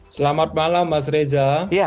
selamat malam mas reza